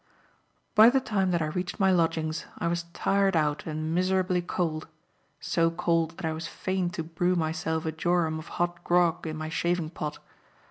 By the time that I reached my lodgings I was tired out and miserably cold; so cold that I was fain to brew myself a jorum of hot grog in my shaving pot.